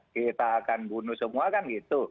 kita akan bunuh semua kan gitu